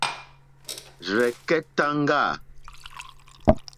Rzɛ̀kɛ́táŋɡâ.